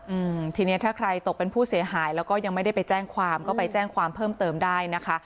อืมทีเนี้ยถ้าใครตกเป็นผู้เสียหายแล้วก็ยังไม่ได้ไปแจ้งความก็ไปแจ้งความเพิ่มเติมได้นะคะ